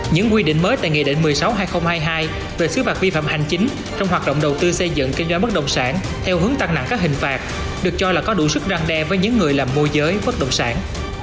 những quy định mới tại nghị định một mươi sáu hai nghìn hai mươi hai về xứ phạt vi phạm hành chính trong hoạt động đầu tư xây dựng kinh doanh bất động sản theo hướng tăng nặng các hình phạt được cho là có đủ sức răng đe với những người làm môi giới bất động sản